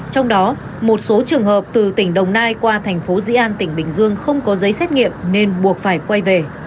trong đó một số trường hợp từ tỉnh đồng nai qua thành phố dĩ an tỉnh bình dương không có giấy xét nghiệm nên buộc phải quay về